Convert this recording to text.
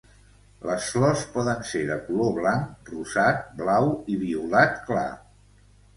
Les flors poden ser de color blanc, rosat, blau i violat clar.